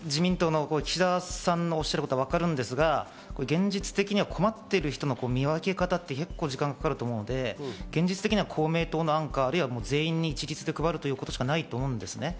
自民党の岸田さんのおっしゃることはわかるんですが、現実的には困ってる方の見分け方って結構時間がかかると思うので、現実的には公明党の案か一律に配ることしかないと思うんですね。